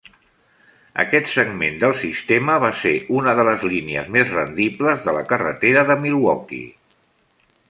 Aquest segment del sistema va ser una de les línies més rendibles de la carretera de Milwaukee.